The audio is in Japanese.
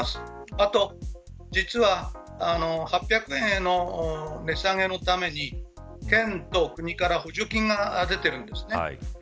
あと実は８００円の値下げのために県と国から補助金が出ているんですね。